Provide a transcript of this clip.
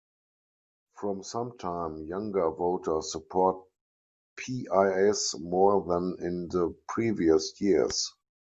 From sometime, younger voters support PiS more than in the previous years.